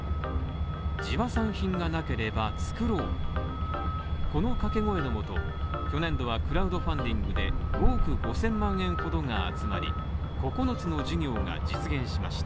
地場産品がなければ作ろう、この掛け声のもと、去年度はクラウドファンディングで５億５０００万円ほどが集まり、九つの事業が実現しました。